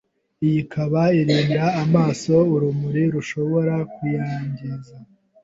iyi ikaba irinda amaso urumuri rushobora kuyangiza